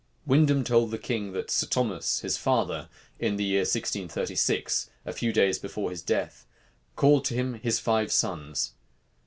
Windham told the king, that Sir Thomas, his father, in the year 1636, a few days before his death, called to him his five sons.